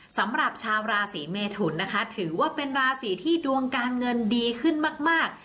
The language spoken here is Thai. สำหรับชาวราศีเมทุนนะคะถือว่าเป็นราศีที่ดวงการเงินดีขึ้นมาก